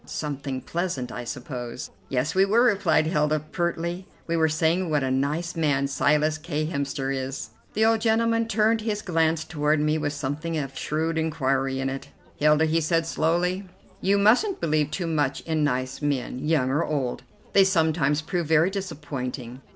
Something pleasant, I suppose." "Yes, we were," replied Hilda pertly; "we were saying what a nice man Silas K. Hemster is." The old gentleman turned his glance toward me with something of shrewd inquiry in it. "Hilda," he said slowly, "you mustn't believe too much in nice men, young or old. They sometimes prove very disappointing.